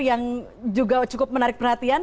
yang juga cukup menarik perhatian